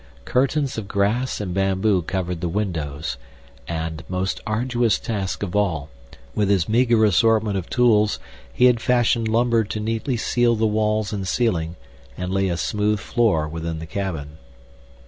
Curtains of grass and bamboo covered the windows, and, most arduous task of all, with his meager assortment of tools he had fashioned lumber to neatly seal the walls and ceiling and lay a smooth floor within the cabin.